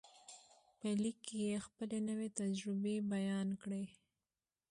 په لیک کې یې خپلې نوې تجربې بیان کړې